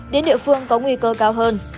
đến địa phương có nguy cơ cao hơn